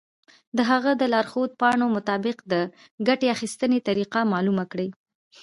د هغه د لارښود پاڼو مطابق د ګټې اخیستنې طریقه معلومه کړئ.